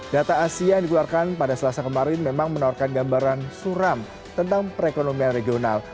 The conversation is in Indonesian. data asia yang dikeluarkan pada selasa kemarin memang menawarkan gambaran suram tentang perekonomian regional